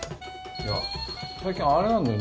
いや最近あれなんだよ